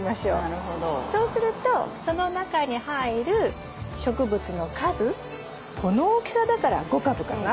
そうするとその中に入る植物の数この大きさだから５株かな？